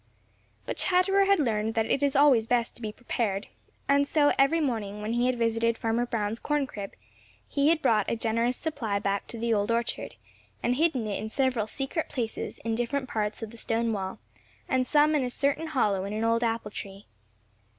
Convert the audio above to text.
But Chatterer had learned that it is always best to be prepared, and so every morning, when he had visited Farmer Brown's corn crib, he had brought a generous supply back to the Old Orchard and hidden it in several secret places in different parts of the stone wall and some in a certain hollow in an old apple tree.